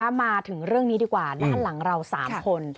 มาถึงเรื่องนี้ดีกว่าด้านหลังเรา๓คน